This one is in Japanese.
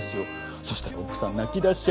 そしたら奥さん泣き出しちゃって。